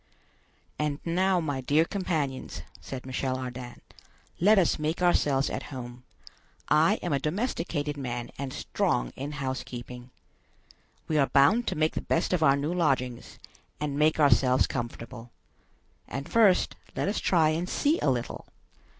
"And now, my dear companions," said Michel Ardan, "let us make ourselves at home; I am a domesticated man and strong in housekeeping. We are bound to make the best of our new lodgings, and make ourselves comfortable. And first let us try and see a little.